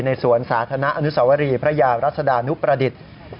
สวนสาธารณะอนุสวรีพระยารัศดานุประดิษฐ์